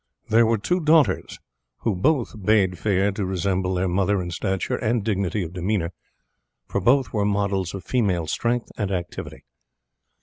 There were two daughters, who both bade fair to resemble their mother in stature and dignity of demeanour, for both were models of female strength and activity.